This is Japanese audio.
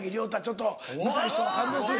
ちょっと見たい人は感動する。